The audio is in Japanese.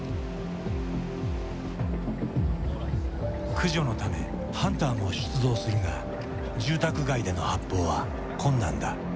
駆除のためハンターも出動するが住宅街での発砲は困難だ。